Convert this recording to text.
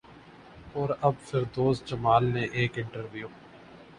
اور اب فردوس جمال نے ایک انٹرویو